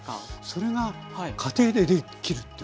それが家庭でできるっていう。